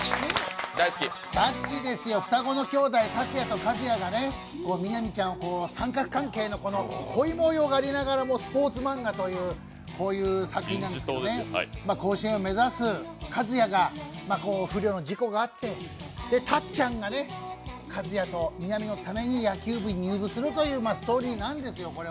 双子の兄弟、達也と和也がね、南ちゃんと三角関係の恋模様がありながら、スポーツ漫画という作品なんですけど甲子園を目指す和也が不慮の事故があってたっちゃんが和也と南のために野球部に入部するというストーリーなんですよ。